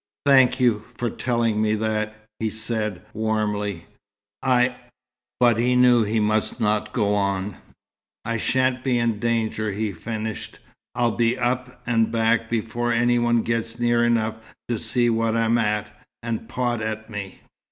"Thank you for telling me that," he said, warmly. "I " but he knew he must not go on. "I shan't be in danger," he finished. "I'll be up and back before any one gets near enough to see what I'm at, and pot at me."